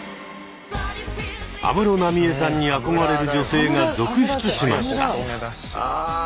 安室奈美恵さんに憧れる女性が続出しました。